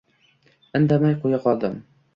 Indamay qo‘ya qoldim.